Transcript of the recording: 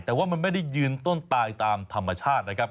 แต่ว่ามันไม่ได้ยืนต้นตายตามธรรมชาตินะครับ